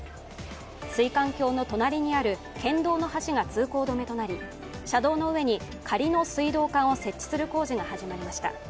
水管橋の隣にある県道の橋が通行止めとなり、車両の上に仮の水道管を設置する工事が始まりました。